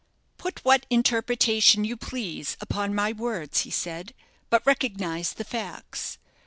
"Put what interpretation you please upon my words," he said, "but recognize the facts.